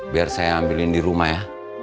biar saya ambilin di rumah ya